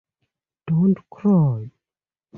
Don’t cry.